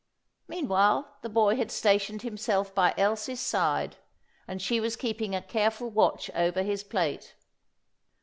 Meanwhile the boy had stationed himself by Elsie's side, and she was keeping a careful watch over his plate.